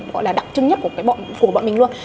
gọi là đặc trưng nhất của bọn mình luôn